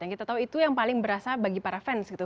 yang kita tahu itu yang paling berasa bagi para fans gitu